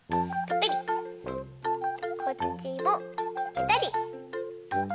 こっちもぺたり。